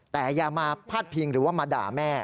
แต่อย่ามาพาดพิงหรือว่ามาด่าแม่